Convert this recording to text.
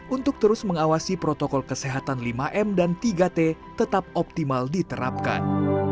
untuk terus mengawasi protokol kesehatan lima m dan tiga t tetap optimal diterapkan